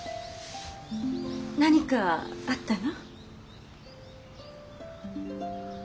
何かあったの？